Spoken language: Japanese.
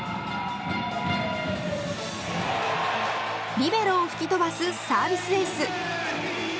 リベロを吹き飛ばすサービスエース。